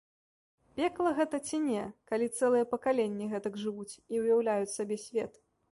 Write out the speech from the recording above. Пекла гэта ці не, калі цэлыя пакаленні гэтак жывуць і ўяўляюць сабе свет?